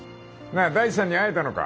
大地さんに会えたのか？